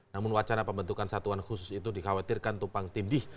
namun wacana pembentukan satuan khusus itu dikhawatirkan tumpang tindih